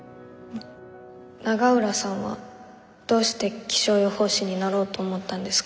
永浦さんはどうして気象予報士になろうと思ったんですか？